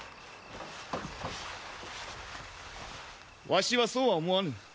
わしはそうは思わぬ。